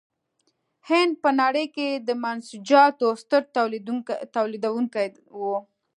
هند په نړۍ کې د منسوجاتو ستر تولیدوونکی و.